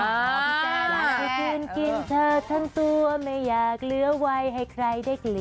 จะคืนกินเธอทั้งตัวไม่อยากเหลือไว้ให้ใครได้กลิ่น